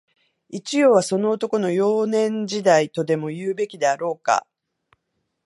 一葉は、その男の、幼年時代、とでも言うべきであろうか